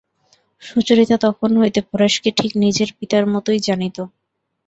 সুচরিতা তখন হইতে পরেশকে ঠিক নিজের পিতার মতোই জানিত।